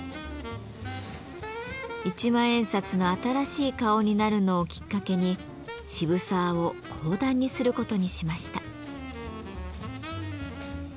一万円札の新しい顔になるのをきっかけに渋沢を講談にすることにしました。